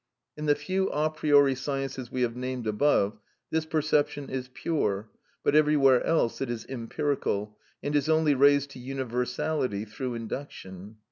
In the few a priori sciences we have named above, this perception is pure, but everywhere else it is empirical, and is only raised to universality through induction.